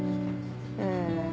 うん。